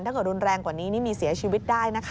ถ้าเกิดรุนแรงกว่านี้นี่มีเสียชีวิตได้นะคะ